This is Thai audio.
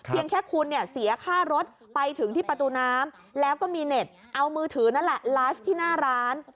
แค่คุณเนี่ยเสียค่ารถไปถึงที่ประตูน้ำแล้วก็มีเน็ตเอามือถือนั่นแหละไลฟ์ที่หน้าร้าน